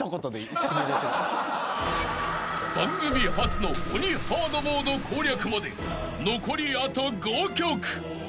［番組初の鬼ハードモード攻略まで残りあと５曲］